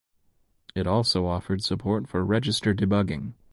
It also offered support for register debugging.